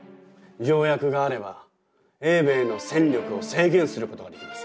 条約があれば英米の戦力を制限することができます。